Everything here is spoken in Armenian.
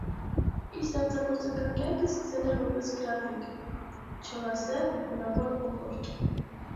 Իր ստեղծագործական կյանքը սկսել է որպես գրաֆիկ (չոր ասեղ, գունավոր օֆորտ)։